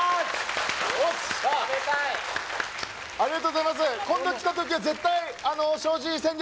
ありがとうございます